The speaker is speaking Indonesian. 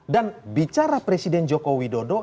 dan bicara presiden jokowi dodo